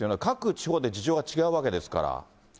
各地方で事情が違うわけですから。